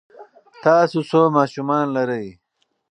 تاسو څو ماشومان لرئ؟